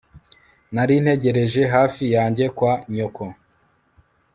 Nari ntegereje hafi yanjye kwa nyoko